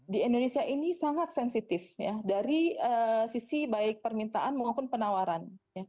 di indonesia ini sangat sensitif dari sisi baik permintaan maupun penawaran